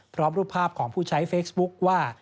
รูปภาพของผู้ใช้เฟซบุ๊คว่า